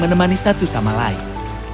menemani satu sama lain